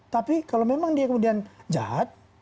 tapi kalau memang dia kemudian jahat